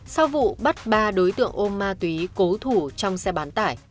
sau vụ bắt ba đối tượng ô ma túy cố thủ trong xe bán tải